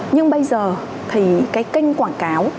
nhưng bây giờ thì cái kênh quảng cáo